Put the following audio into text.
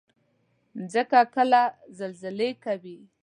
مځکه کله زلزله کوي.